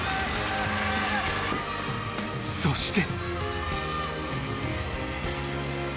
そして。